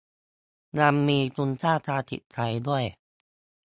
ยังมีคุณค่าทางจิตใจด้วย